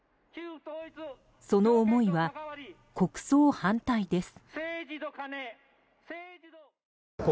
その思いは、国葬反対です。